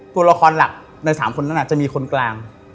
ตัวละครหลักใน๓คนนั้นจะมีคนกลาง